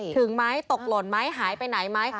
ถึงไหมตกหล่นไหมหายไปไหนไหม